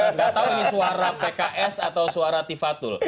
nggak tahu ini suara pks atau suara tifatul